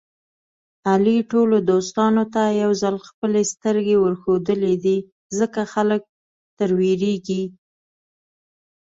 علي ټولو دوستانو ته یوځل خپلې سترګې ورښودلې دي. ځکه خلک تر وېرېږي.